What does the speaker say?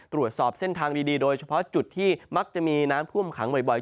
ตรวจสอบเส้นทางดีโดยเฉพาะจุดที่มักจะมีน้ำท่วมขังบ่อย